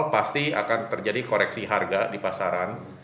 pasti akan terjadi koreksi harga di pasaran